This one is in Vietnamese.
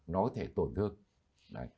nó có thể tổn thương